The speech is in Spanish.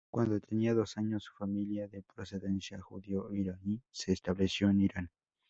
Cuando tenía dos años, su familia, de procedencia judío-iraní, se estableció en Irán.